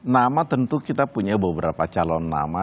nama tentu kita punya beberapa calon nama